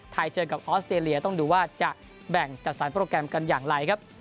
เจอกับออสเตรเลียต้องดูว่าจะแบ่งจัดสรรโปรแกรมกันอย่างไรครับ